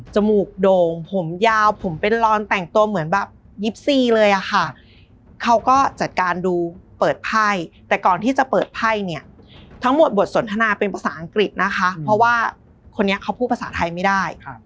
มูกโด่งผมยาวผมเป็นรอนแต่งตัวเหมือนแบบ๒๔เลยอะค่ะเขาก็จัดการดูเปิดไพ่แต่ก่อนที่จะเปิดไพ่เนี่ยทั้งหมดบทสนทนาเป็นภาษาอังกฤษนะคะเพราะว่าคนนี้เขาพูดภาษาไทยไม่ได้